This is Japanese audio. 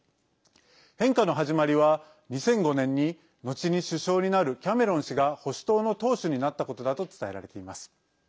変化の始まりは、２００５年に後に首相になるキャメロン氏が保守党の党首になったことだと伝えられています。